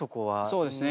そうですね